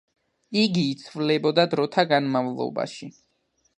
იგი იცვლებოდა დროთა განმავლობაში.